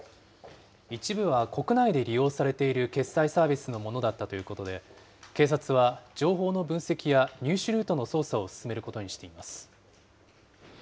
一部は国内で利用されている決済サービスのものだったということで、警察は情報の分析や入手ルートの捜査を進めることにしています。